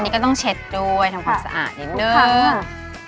นี่ก็ต้องเช็ดด้วยทำความสะอาดนิดนึง